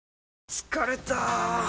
疲れた！